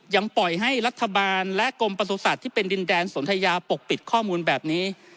ยังปล่อยให้รัฐบาลและกรมประสุทธิ์ที่เป็นดินแดนสนทยาปกปิดข้อมูลแบบนี้